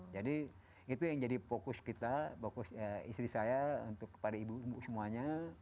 jadi itu yang jadi fokus kita fokus istri saya untuk kepada ibu ibu semuanya